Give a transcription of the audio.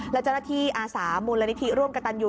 และเจ้าหน้าที่อาสามูลนิธิร่วมกับตันยู